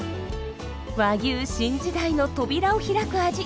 和牛新時代の扉を開く味。